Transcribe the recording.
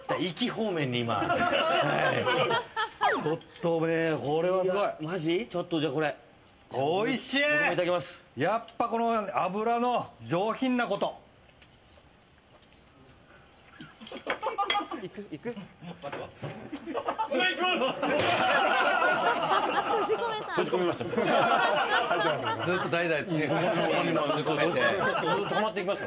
閉じ込めました。